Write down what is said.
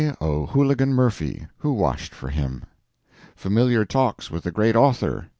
O'Hooligan Murphy, who washed for him. "Familiar Talks with the Great Author."